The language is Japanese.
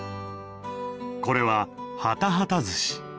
これはハタハタ寿司。